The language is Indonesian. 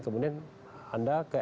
kemudian ke dpr kemudian ke dpr